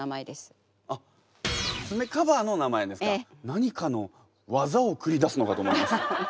何かの技を繰り出すのかと思いました。